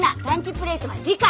プレートは次回。